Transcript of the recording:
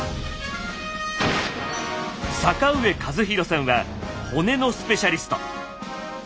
坂上和弘さんは骨のスペシャリスト。